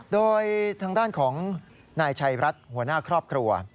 โดยทางด้านของนายชัยรัฐหัวหน้าครอบครัว